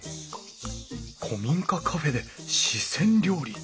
古民家カフェで四川料理。